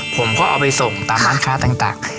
ผมก็เอาไปส่งตามร้านค้าต่าง